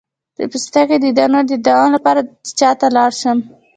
د پوستکي د دانو د دوام لپاره باید چا ته لاړ شم؟